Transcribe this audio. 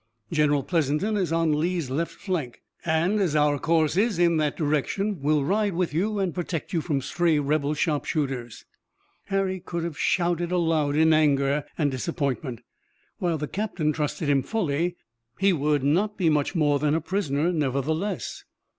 General Pleasanton is on Lee's left flank and, as our course is in that direction, we'll ride with you, and protect you from stray rebel sharpshooters." Harry could have shouted aloud in anger and disappointment. While the captain trusted him fully, he would not be much more than a prisoner, nevertheless.